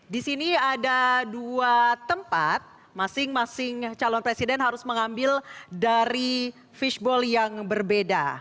di sini ada dua tempat masing masing calon presiden harus mengambil dari fishball yang berbeda